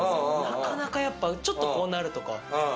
なかなかちょっとこうなるとか。